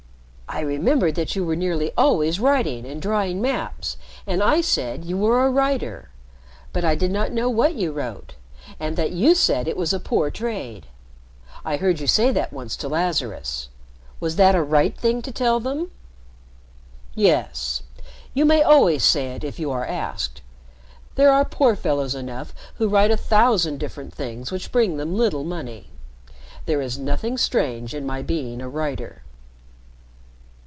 "I remembered that you were nearly always writing and drawing maps, and I said you were a writer, but I did not know what you wrote and that you said it was a poor trade. I heard you say that once to Lazarus. Was that a right thing to tell them?" "Yes. You may always say it if you are asked. There are poor fellows enough who write a thousand different things which bring them little money. There is nothing strange in my being a writer."